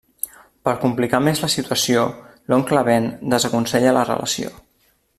Per complicar més la situació, l’oncle Ben desaconsella la relació.